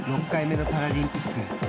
６回目のパラリンピック。